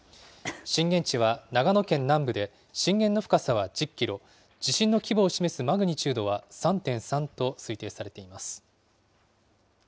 震源地は長野県南部で、震源の深さは１０キロ、地震の規模を示すマグニチュードは３．３と推定されています。